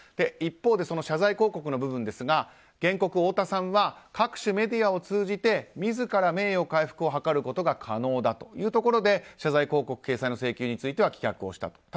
一方で謝罪広告の部分ですが原告、太田さんは各種メディアを通じて自ら名誉回復を図ることが可能だというところで謝罪広告掲載の請求に関しては棄却をしたと。